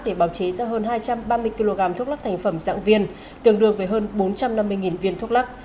để bào chế ra hơn hai trăm ba mươi kg thuốc lắc thành phẩm dạng viên tương đương với hơn bốn trăm năm mươi viên thuốc lắc